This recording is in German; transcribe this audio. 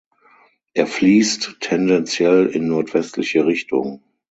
Er fließt tendenziell in nordwestliche Richtung.